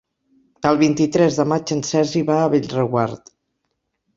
El vint-i-tres de maig en Sergi va a Bellreguard.